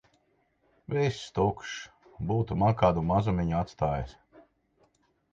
Viss tukšs. Būtu man kādu mazumiņu atstājis!